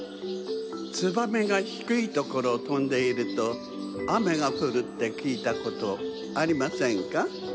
ツバメがひくいところをとんでいるとあめがふるってきいたことありませんか？